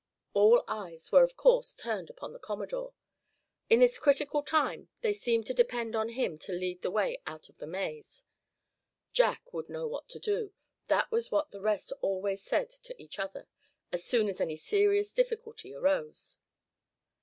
All eyes were of course turned upon the Commodore. In this critical time they seemed to depend on him to lead the way out of the maze. Jack would know what to do; that was what the rest always said to each other, as soon as any serious difficulty arose.